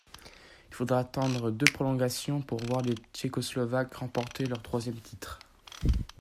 Il faudra attendre deux prolongations pour voir les tchécoslovaques remporter leur troisième titre.